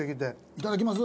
いただきます。